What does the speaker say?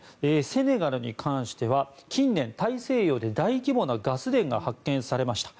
セネガルに関しては近年、大西洋で大規模なガス田が発見されました。